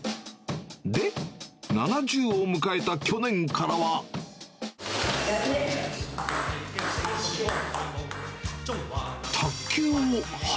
で、７０を迎えた去年からは。楽しいよね。